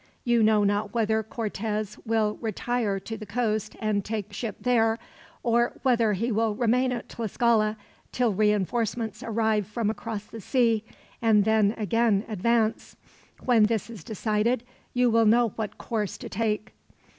You know not whether Cortez will retire to the coast and take ship there; or whether he will remain at Tlascala, till reinforcements arrive from across the sea, and then again advance. When this is decided, you will know what course to take.